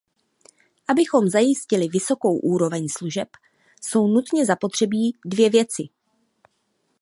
Abychom zajistilivysokou úroveň služeb, jsou nutně zapotřebí dvě věci.